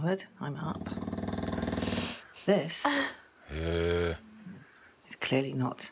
へえ。